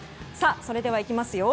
それでは、いきますよ。